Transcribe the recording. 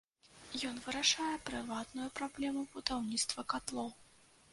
Ён вырашае прыватную праблему будаўніцтва катлоў.